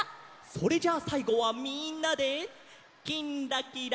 それじゃあさいごはみんなで「きんらきら」。